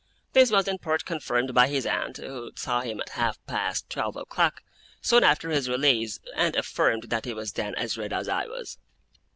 This was in part confirmed by his aunt, who saw him at half past twelve o'clock, soon after his release, and affirmed that he was then as red as I was.